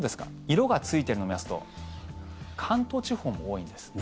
色がついているのを見ますと関東地方も多いんです。